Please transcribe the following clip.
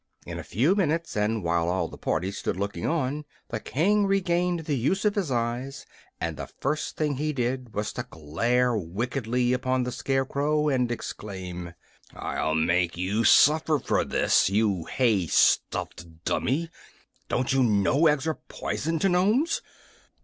In a few minutes, and while all the party stood looking on, the King regained the use of his eyes, and the first thing he did was to glare wickedly upon the Scarecrow and exclaim: "I'll make you suffer for this, you hay stuffed dummy! Don't you know eggs are poison to Nomes?"